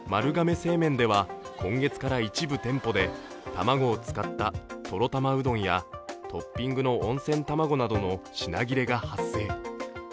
製麺では今月から一部店舗で卵を使ったとろ玉うどんやトッピングの温泉玉子などの品切れが発生。